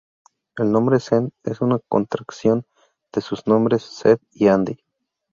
El nombre Zend es una contracción de sus nombres, Zeev y Andi.